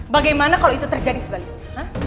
bagaimana kalau itu terjadi sebaliknya